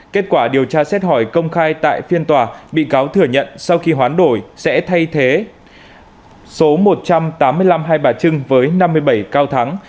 kết quả điều tra xét hỏi công khai tại phiên tòa bị cáo thừa nhận sau khi hoán đổi sẽ thay thế số một trăm tám mươi năm hai bà trưng với năm mươi bảy cao thắng